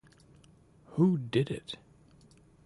Who Did It?